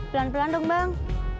pelan pelan dong bang